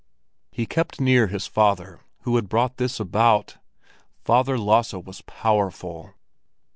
He kept near his father, who had brought this about. Father Lasse was powerful!